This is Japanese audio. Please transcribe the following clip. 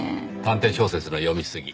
探偵小説の読みすぎ。